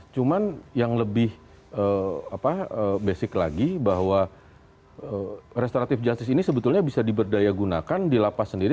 cuma yang lebih basic lagi bahwa restoratif justice ini sebetulnya bisa diberdaya gunakan di lapas sendiri